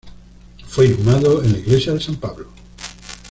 Fue inhumado en la iglesia de San Pablo.